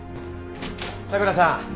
佐倉さん。